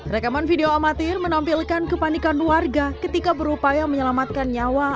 rekaman video amatir menampilkan kepanikan warga ketika berupaya menyelamatkan nyawa